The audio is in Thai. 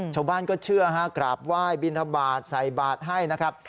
ชาวบ้านก็เชื่อฮะกราบไหว้บิณฑบาทใส่บาทให้นะครับ